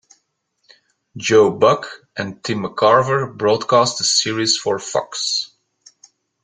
Joe Buck and Tim McCarver broadcast the series for Fox.